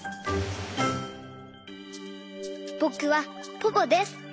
ぼくはポポです。